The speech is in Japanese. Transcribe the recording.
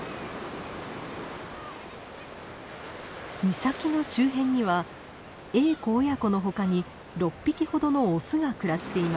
岬の周辺にはエーコ親子の他に６匹ほどのオスが暮らしています。